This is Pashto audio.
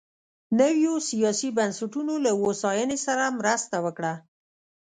نویو سیاسي بنسټونو له هوساینې سره مرسته وکړه.